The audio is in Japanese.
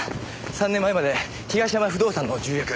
３年前まで東山不動産の重役。